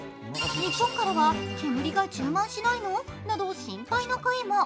日本からは煙が充満しないの？など心配の声も。